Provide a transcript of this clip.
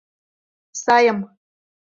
Сайым.